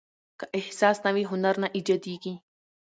که احساس نه وي، هنر نه ایجاديږي.